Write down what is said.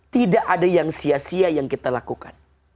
tidak ada yang sia sia yang kita lakukan